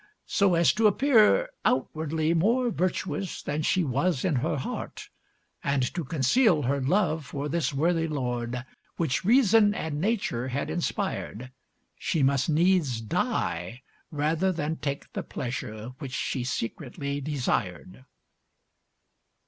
"So as to appear outwardly more virtuous than she was in her heart, and to conceal her love for this worthy lord which reason and nature had inspired, she must needs die rather than take the pleasure which she secretly desired."